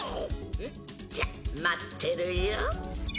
うんじゃ待ってるよ。